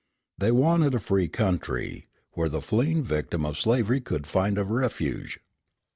They wanted a free country, where the fleeing victim of slavery could find a refuge.